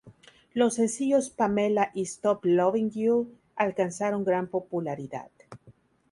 Los sencillos "Pamela" y "Stop Loving you" alcanzaron gran popularidad.